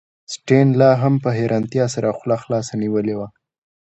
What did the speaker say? اسټین لاهم په حیرانتیا سره خوله خلاصه نیولې وه